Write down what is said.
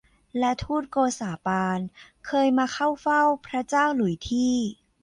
และฑูตโกษาปานเคยมาเข้าเฝ้าพระเจ้าหลุยส์ที่